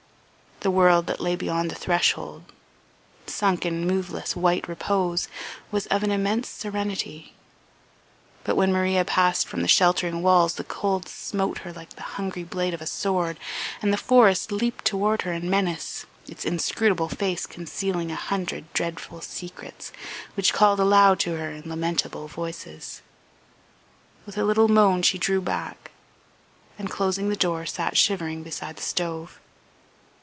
The world that lay beyond the threshold, sunk in moveless white repose, was of an immense serenity; but when Maria passed from the sheltering walls the cold smote her like the hungry blade of a sword and the forest leaped toward her in menace, its inscrutable face concealing a hundred dreadful secrets which called aloud to her in lamentable voices. With a little moan she drew back, and closing the door sat shivering beside the stove.